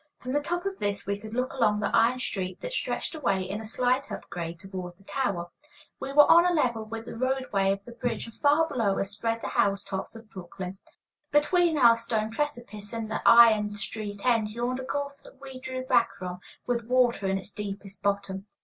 From the top of this we could look along the iron street that stretched away in a slight up grade toward the tower. We were on a level with the roadway of the bridge, and far below us spread the housetops of Brooklyn. Between our stone precipice and the iron street end yawned a gulf that we drew back from, with water in its deepest bottom.